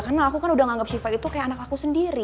karena aku kan udah nganggep syifa itu kayak anak aku sendiri